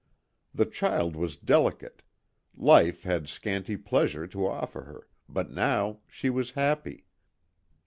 The child was delicate; life had scanty pleasure to offer her, but now she was happy.